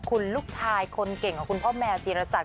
คุณลูกชายคนเก่งของคุณพ่อแมวจีรศักดิ